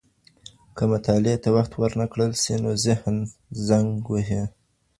که مطالعې ته وخت ورنه کړل سي نو ذهن زنګ وهي.